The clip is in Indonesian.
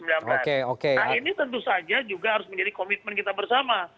nah ini tentu saja juga harus menjadi komitmen kita bersama